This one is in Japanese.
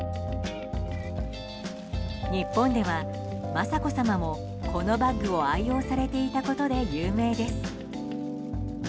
日本では雅子さまもこのバッグを愛用されていたことで有名です。